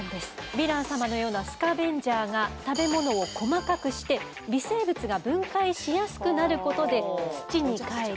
ヴィラン様のようなスカベンジャーが食べ物を細かくして、微生物が分解しやすくなることで土に返り